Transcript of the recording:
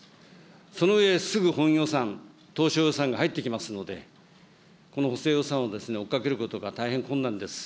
その上、すぐ本予算、当初予算が入ってきますので、この補正予算を追っかけることが大変困難です。